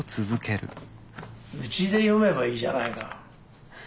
うちで読めばいいじゃないか。